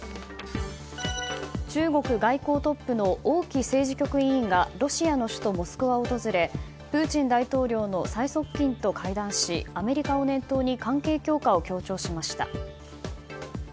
中国外交トップの王毅政治局委員がロシアの首都モスクワを訪れプーチン大統領の最側近と会談しアメリカを念頭に関係強化を強調しました。